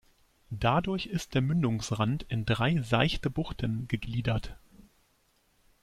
Dadurch ist der Mündungsrand in drei seichte Buchten gegliedert.